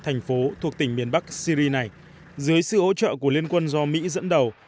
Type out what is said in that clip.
năm mươi năm thành phố thuộc tỉnh miền bắc syri này dưới sự hỗ trợ của liên quân do mỹ dẫn đầu